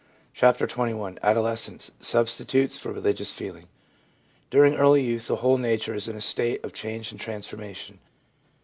CHAPTER XXI ADOLESCENCE — SUBSTITUTES FOR RELIGIOUS FEELING DURING early youth the whole nature is in a state of change and transformation.